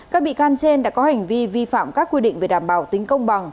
các bị can trên đã có hành vi vi phạm các quy định về đảm bảo tính công bằng